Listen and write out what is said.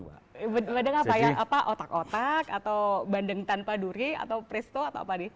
kadang apa ya apa otak otak atau bandeng tanpa duri atau presto atau apa nih